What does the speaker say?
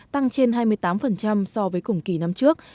tăng trên hai mươi tám so với cùng kỳ năm trước